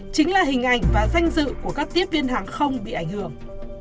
chính là hình ảnh và danh dự của các tiếp viên hàng không bị ảnh hưởng